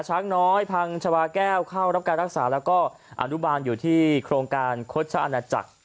ช้างน้อยพังชาวาแก้วเข้ารับการรักษาแล้วก็อนุบาลอยู่ที่โครงการคดชะอาณาจักร